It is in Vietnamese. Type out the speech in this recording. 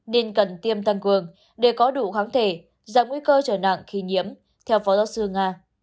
nên cần tiêm tăng cường để có đủ kháng thể giảm nguy cơ trở nặng khi nhiễm theo phó giáo sư nga